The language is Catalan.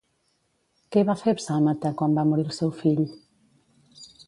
Què va fer Psàmate quan va morir el seu fill?